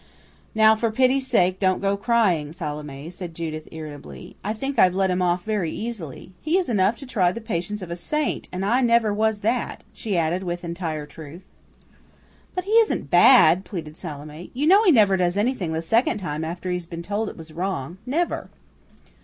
"Now don't for pity's sake go crying, Salome," said Judith irritably. "I think I've let him off very easily. He is enough to try the patience of a saint, and I never was that," she added with entire truth. "But he isn't bad," pleaded Salome. "You know he never does anything the second time after he has been told it was wrong, never."